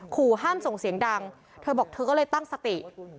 ขู่ห้ามส่งเสียงดังเธอบอกเธอก็เลยตั้งสติ